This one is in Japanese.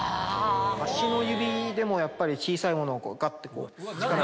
足の指でもやっぱり小さいものをガッて。